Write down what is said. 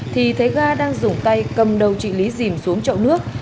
thì thấy ga đang dùng tay cầm đầu chị lý dìm xuống chậu nước